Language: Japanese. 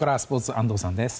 安藤さんです。